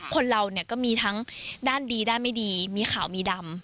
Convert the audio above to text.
คนเราเนี่ยก็มีทั้งด้านดีด้านไม่ดีมีข่าวมีดำ